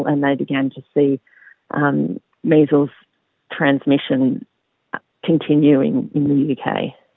dan mereka mulai melihat transmisi vaksin di amerika